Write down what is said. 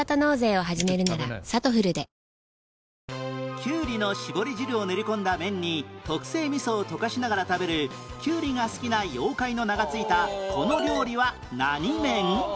キュウリの絞り汁を練り込んだ麺に特製味噌を溶かしながら食べるキュウリが好きな妖怪の名が付いたこの料理は何麺？